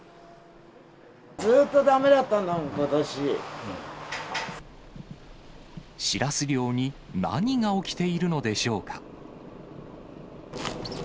ずっとだめだったんだもん、シラス漁に、何が起きているのでしょうか。